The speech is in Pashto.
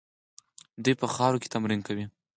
دوی په خاورو کې تمرین کوي.